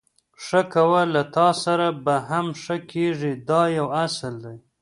ښه کوه له تاسره به هم ښه کېږي دا یو اصل دی.